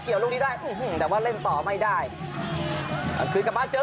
เกี่ยวลูกนี้ได้แต่ว่าเล่นต่อไม่ได้ขึ้นกับมาเจอ